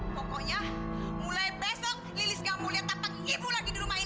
pokoknya mulai besok lilis kamu lihat tampak ibu lagi di rumah ini